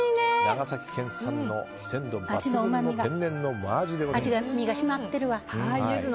長崎県産の鮮度抜群の天然真アジでございます。